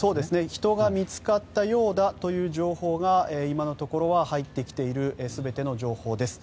人が見つかったようだという情報が今のところ入ってきている全ての情報です。